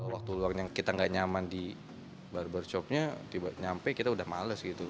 waktu luarnya kita nggak nyaman di barbershopnya tiba tiba nyampe kita udah males gitu